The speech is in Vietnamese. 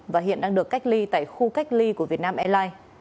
và hiện đang được cách ly tại khu cách ly của việt nam airlines